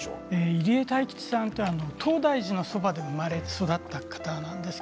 入江泰吉さんは東大寺のそばで生まれ育った方です。